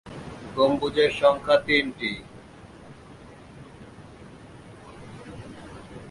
গম্বুজের সংখ্যা তিনটি।